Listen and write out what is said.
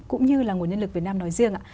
cũng như là nguồn nhân lực việt nam nói riêng ạ